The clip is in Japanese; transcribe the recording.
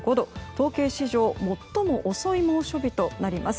統計史上最も遅い猛暑日となります。